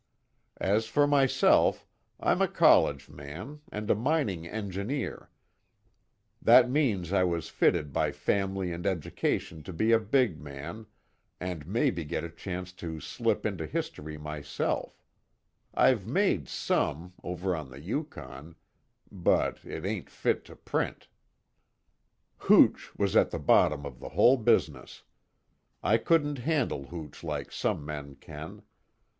As for myself, I'm a college man, and a mining engineer that means I was fitted by family and education to be a big man, and maybe get a chance to slip into history myself I've made some, over on the Yukon, but it ain't fit to print. "Hooch was at the bottom of the whole business. I couldn't handle hooch like some men can.